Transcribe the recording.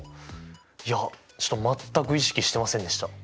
いやちょっと全く意識してませんでした。